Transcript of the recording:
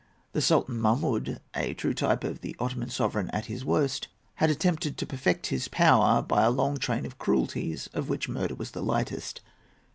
The Sultan Mahmud—a true type of the Ottoman sovereign at his worst—had attempted to perfect his power by a long train of cruelties, of which murder was the lightest.